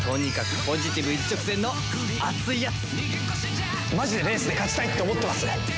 とにかくマジでレースで勝ちたいって思ってます。